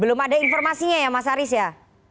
belum ada informasinya ya mas haris ya